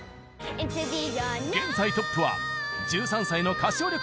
現在トップは１３歳の歌唱力